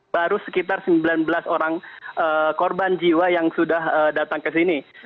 baru sekitar sembilan belas orang korban jiwa yang sudah datang ke sini